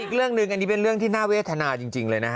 อีกเรื่องหนึ่งอันนี้เป็นเรื่องที่น่าเวทนาจริงเลยนะฮะ